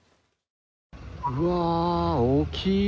うわ、大きい。